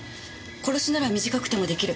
殺しなら短くても出来る。